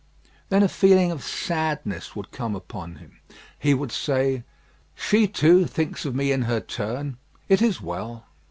Then a feeling of sadness would come upon him; he would say, "She, too, thinks of me in her turn. It is well."